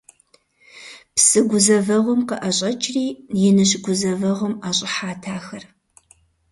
Псы гузэвэгъуэм къыӀэщӀэкӀри иныжь гузэвэгъуэм ӀэщӀыхьат ахэр.